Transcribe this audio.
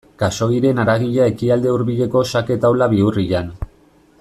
Khaxoggiren haragia Ekialde Hurbileko xake taula bihurrian.